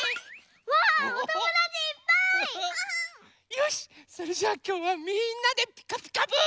よしそれじゃあきょうはみんなで「ピカピカブ！」。